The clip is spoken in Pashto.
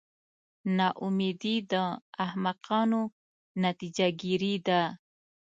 نا امیدي د احمقانو نتیجه ګیري ده.